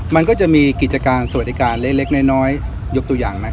มันก็จะมีกิจการสวัสดิการเล็กน้อยยกตัวอย่าง